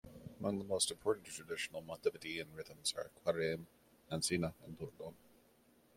Among the most important and traditional Montevidean rhythms are: Cuareim, Ansina and Cordon.